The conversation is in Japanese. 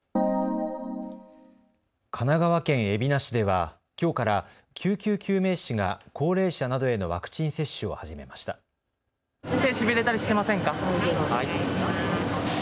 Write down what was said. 神奈川県海老名市では、きょうから救急救命士が高齢者などへのワクチン接種を始めました。